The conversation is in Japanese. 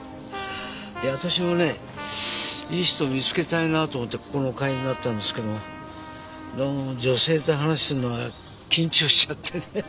いや私もねいい人を見つけたいなと思ってここの会員になったんですけどどうも女性と話をするのは緊張しちゃってね。